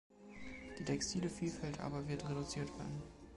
Die textile Vielfalt aber wird reduziert werden.